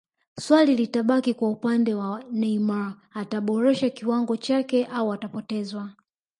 swali litabaki kwa upande wa Neymar ataboresha kiwango chake au atapotezwa